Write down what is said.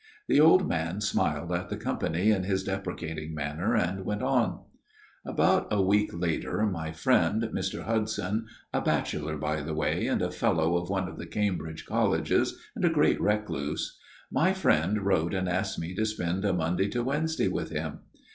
The old man smiled at the company in his deprecating manner and went on :" About a week later my friend, Mr. Hudson a bachelor, by the way, and a Fellow of one of the Cambridge colleges, and a great recluse my friend wrote and asked me to spend a Monday to Wednesday with him.